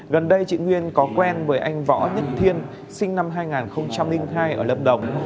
gần đây chị nguyên có quen với anh võ nhất thiên sinh năm hai nghìn hai ở lâm đồng